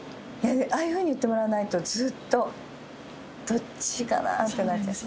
ああいうふうに言ってもらわないとずっとどっちかな？ってなっちゃう。